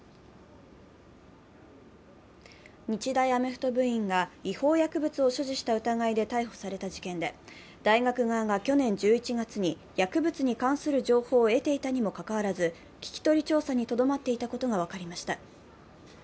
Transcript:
日大アメフト部員が違法薬物を所持した疑いで逮捕された問題で大学側が去年１１月に薬物に関する情報を得ていたにもかかわらず聞き取り調査にとどまっていたことが分かりました。